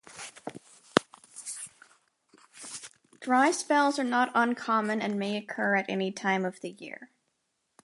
Dry spells are not uncommon and may occur at any time of the year.